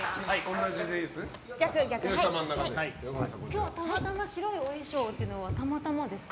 今日たまたま白いお衣装なのはたまたまですか？